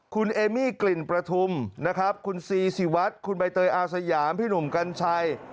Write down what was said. คุณเอมี่กลิ่นประทุมนะครับคุณซีศิวัตรคุณใบเตยอาสยามพี่หนุ่มกัญชัย